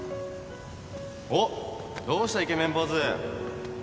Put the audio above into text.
・おっどうした？イケメン坊主